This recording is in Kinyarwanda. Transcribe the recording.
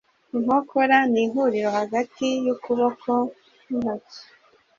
inkokora ni ihuriro hagati yukuboko nintoki